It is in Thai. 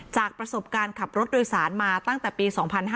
จากประสบการณ์ขับรถโดยสารมาตั้งแต่ปี๒๕๕๙